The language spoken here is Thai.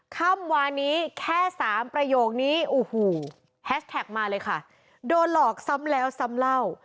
ค่ำวานี้แค่สามประโยคนี้โอ้โหแฮชแท็กมาเลยค่ะโดนหลอกซ้ำแล้วซ้ำเล่า